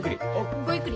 ごゆっくり。